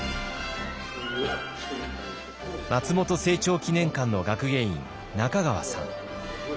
松本清張記念館の学芸員中川さん。